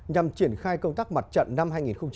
nhằm triển khai công tác mặt trận năm hai nghìn hai mươi